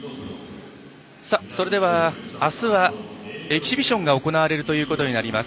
それでは、あすはエキシビションが行われるということになります。